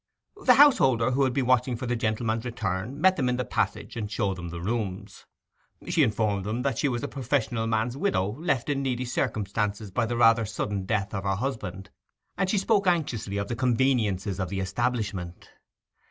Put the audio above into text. The householder, who had been watching for the gentleman's return, met them in the passage, and showed the rooms. She informed them that she was a professional man's widow, left in needy circumstances by the rather sudden death of her husband, and she spoke anxiously of the conveniences of the establishment.